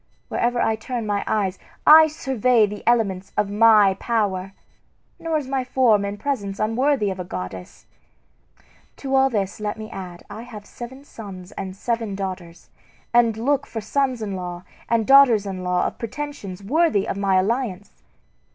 Wherever I turn my eyes I survey the elements of my power; nor is my form and presence unworthy of a goddess. To all this let me add I have seven sons and seven daughters, and look for sons in law and daughters in law of pretensions worthy of my alliance.